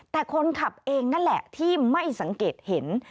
แต่คนขับเองนั่นแหละที่ไม่สังเกตเห็น